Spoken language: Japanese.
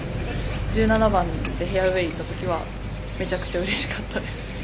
１７番でフェアウエーいったときはめちゃくちゃ、うれしかったです。